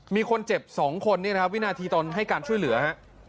มีคนเจ็บ๒คนวินาทีตอนให้การช่วยเหลือ